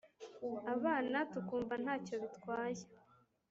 abana tukumva nta cyo bitwaye